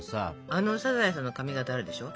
あのサザエさんの髪形あるでしょ。